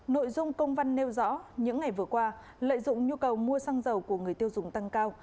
nội dung công văn nêu rõ những ngày vừa qua lợi dụng nhu cầu mua xăng dầu của người tiêu dùng tăng cao